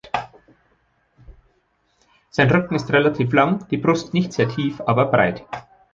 Sein Rücken ist relativ lang, die Brust nicht sehr tief, aber breit.